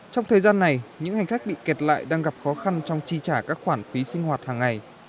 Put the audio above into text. trong thời gian này những hành khách bị kẹt lại đang gặp khó khăn trong chi trả các khoản phí sinh hoạt hàng ngày